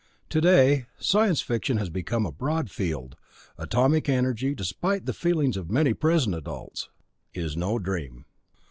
Today, science fiction has become a broad field, atomic energy despite the feelings of many present adults! is no dream.